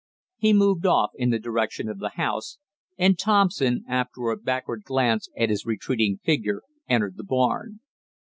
He moved off in the direction of the house, and Thompson, after a backward glance at his retreating figure, entered the barn.